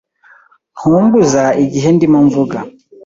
Ntumbuza igihe ndimo mvuga.